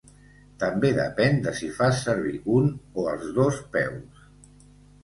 També depèn de si fas servir un o els dos peus.